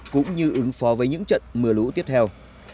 cũng như ứng phó với những trận mưa lũ tiếp theo